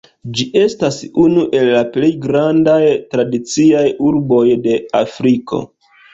Ĝi estas unu el la plej grandaj tradiciaj urboj de Afriko.